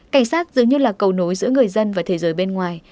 cảnh sát dường như là cầu nối giữa người dân và thế giới bên ngoài